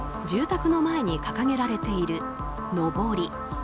住宅の前に掲げられているのぼり。